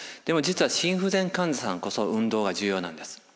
実は心不全患者さんこそ運動が重要なんです。